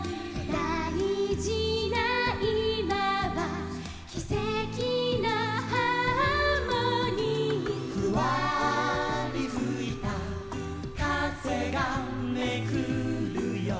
「だいじないまはキセキのハーモニー」「ふわりふいたかぜがめくるよ」